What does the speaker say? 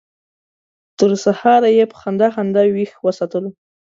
تر سهاره یې په خندا خندا ویښ وساتلو.